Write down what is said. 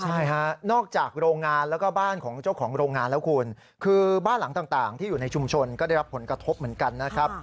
ใช่ฮะนอกจากโรงงานแล้วก็บ้านของเจ้าของโรงงานแล้วคุณคือบ้านหลังต่างที่อยู่ในชุมชนก็ได้รับผลกระทบเหมือนกันนะครับ